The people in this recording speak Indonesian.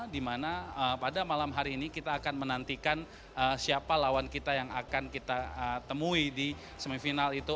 di mana pada malam hari ini kita akan menantikan siapa lawan kita yang akan kita temui di semifinal itu